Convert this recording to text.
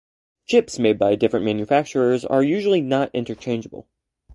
Chips made by different manufacturers are usually not interchangeable.